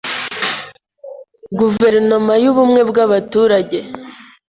Guverinoma yubumwe bwa baturage